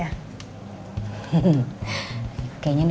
kayaknya dia udah berhenti